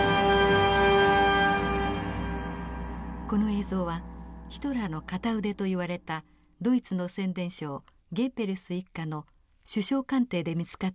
この映像はヒトラーの片腕といわれたドイツの宣伝相ゲッベルス一家の首相官邸で見つかった遺体です。